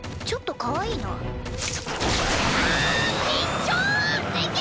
ちょっとかわいいな。